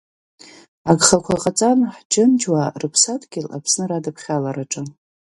Агхақәа ҟаҵан ҳџьынџьуаа рыԥсадгьыл Аԥсны радыԥхьалараҿгьы.